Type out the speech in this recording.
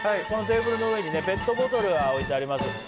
このテーブルの上にねペットボトルが置いてあります